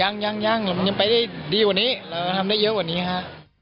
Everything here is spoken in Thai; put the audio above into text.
ยังยังมันยังไปได้ดีกว่านี้เราทำได้เยอะกว่านี้ฮะ